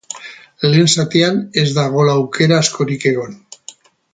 Lehen zatian ez da gol aukera askorik egon.